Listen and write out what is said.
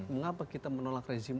mengapa kita menolak rezim